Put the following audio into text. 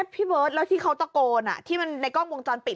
พี่เบิร์ตแล้วที่เขาตะโกนที่มันในกล้องวงจรปิด